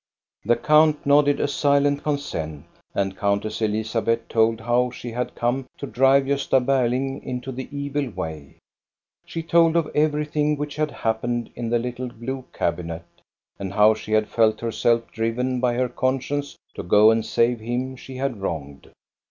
The count nodded a silent consent, and Countess Elizabeth told how she had come to drive Gosta Ber ling into the evil way. She told of everything which had happened in the little blue cabinet, and how she had felt herself driven by her conscience to go and save him she had wronged.